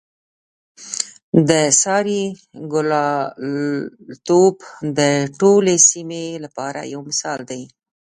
د سارې ګلالتوب د ټولې سیمې لپاره یو مثال دی.